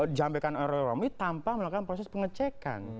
di sampaikan oleh romli tanpa melakukan proses pengecekan